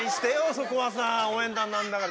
そこはさ応援団なんだから。